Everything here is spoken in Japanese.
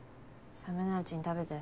冷めないうちに食べて。